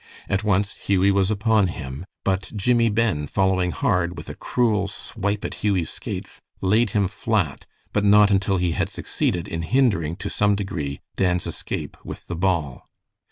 At once Hughie was upon him, but Jimmie Ben following hard, with a cruel swipe at Hughie's skates, laid him flat, but not until he had succeeded in hindering to some degree Dan's escape with the ball.